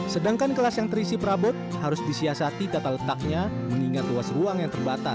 sedangkan kelas yang terisi perabot harus disiasati tata letaknya mengingat luas ruang yang terbatas